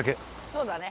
そうだね。